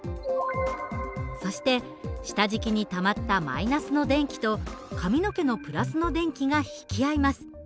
そして下敷きにたまった−の電気と髪の毛の＋の電気が引き合います。